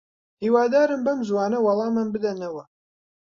هیوادارم بەم زووانە وەڵامم بدەنەوە.